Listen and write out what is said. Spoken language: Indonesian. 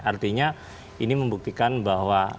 artinya ini membuktikan bahwa